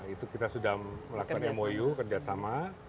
itu kita sudah melakukan mou kerjasama